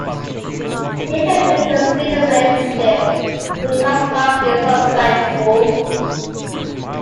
She begs him, to seal their relationship, that he must stop being so vengeful.